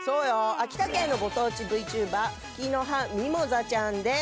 秋田県のご当地ＶＴｕｂｅｒ蕗之葉みもざちゃんです。